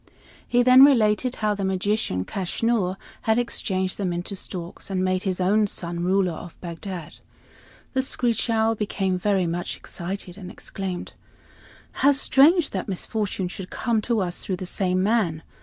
He then related how the magician, Kaschnur, had changed them into storks and made his own son ruler of Bagdad. The screech owl became very much excited and exclaimed: "How strange that misfortune should have come to us through the same man.